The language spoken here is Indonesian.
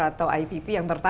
atau ipp yang berpengaruh